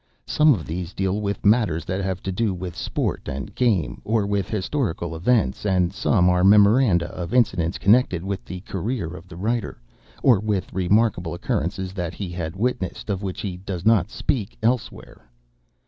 Some of these deal with matters that have to do with sport and game, or with historical events, and some are memoranda of incidents connected with the career of the writer, or with remarkable occurrences that he had witnessed of which he does not speak elsewhere.